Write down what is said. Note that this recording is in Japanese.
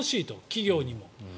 企業にも。